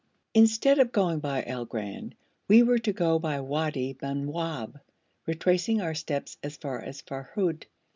Instead of going by Al Gran, we were to go by Wadi Manwab, retracing our steps as far as Furhud.